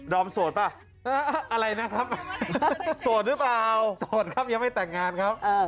อมโสดป่ะอะไรนะครับโสดหรือเปล่าโสดครับยังไม่แต่งงานครับ